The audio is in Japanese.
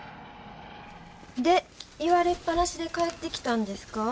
で言われっぱなしで帰ってきたんですか。